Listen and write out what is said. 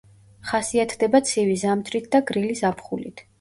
ხასიათდება ცივი ზამთრით და გრილი ზაფხულით.